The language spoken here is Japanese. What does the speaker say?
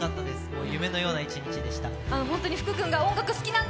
もう夢のような一日でした。